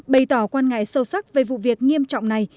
bày tỏ quan ngại sâu sắc về vụ việc nghiêm trọng này